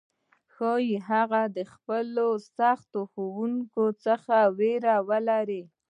ښايي هغه د خپل سخت ښوونکي څخه ویره ولري،